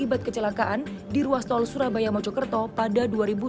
makaan di ruas tol surabaya mojokerto pada dua ribu delapan belas